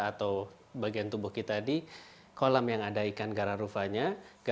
atau bagian tubuh kita di kolam yang ada ikan gararufanya